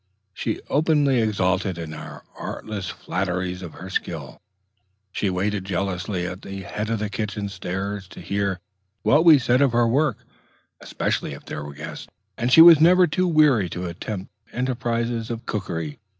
She openly exulted in our artless flatteries of her skill; she waited jealously at the head of the kitchen stairs to hear what was said of her work, especially if there were guests; and she was never too weary to attempt emprises of cookery.